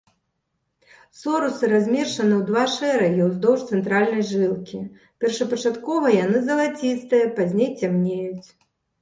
Сорусы размешчаны ў два шэрагі ўздоўж цэнтральнай жылкі, першапачаткова яны залацістыя, пазней цямнеюць.